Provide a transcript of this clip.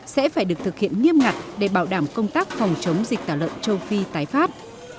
sẽ phải được thực hiện nghiêm ngặt để bảo đảm công tác phòng chống dịch tả lợn châu phi tái phát